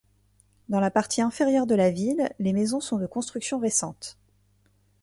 Dans la partie inférieure de la ville, les maisons sont de constructions récentes.